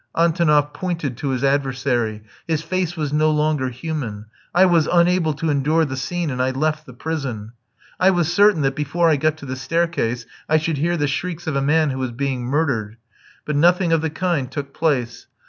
Antonoff pointed to his adversary. His face was no longer human. I was unable to endure the scene, and I left the prison. I was certain that before I got to the staircase I should hear the shrieks of a man who was being murdered; but nothing of the kind took place.